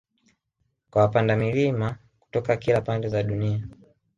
Kwa wapanda milima kutoka kila pande za dunia